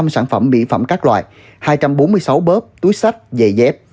một trăm sáu mươi năm sản phẩm mỹ phẩm các loại hai trăm bốn mươi sáu bóp túi sách dày dép